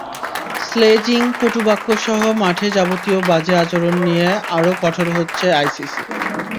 Sledging, কটুবাক্যসহ মাঠে যাবতীয় বাজে আচরণ নিয়ে আরও কঠোর হচ্ছে আইসিসি।